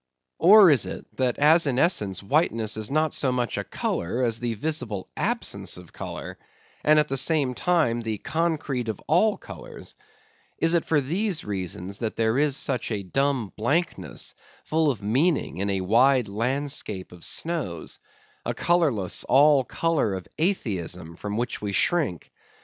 Or is it, that as in essence whiteness is not so much a colour as the visible absence of colour; and at the same time the concrete of all colours; is it for these reasons that there is such a dumb blankness, full of meaning, in a wide landscape of snows—a colourless, all colour of atheism from which we shrink?